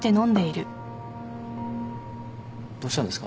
どうしたんですか？